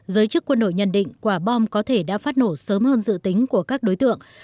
giới chức quân đội nhận định quả bom có thể đã phát nổ sớm hơn dự tính của các đối tượng